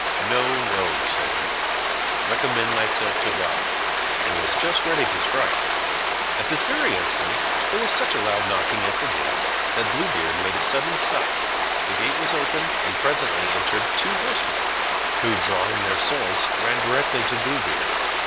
"No, no," said he, "recommend thyself to God," and was just ready to strike. At this very instant there was such a loud knocking at the gate, that Blue Beard made a sudden stop. The gate was opened, and presently entered two horsemen, who drawing their swords, ran directly to Blue Beard.